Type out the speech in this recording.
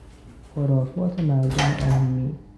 خرافات مردم عامی